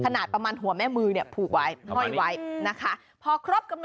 ขนาดประมาณหัวแม่มือเนี้ยผูกไว้ห้อยไว้อืมนะคะ